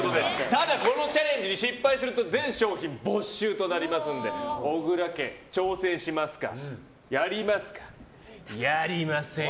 ただこのチャレンジに失敗すると全賞品没収となりますので小倉家、挑戦しますか？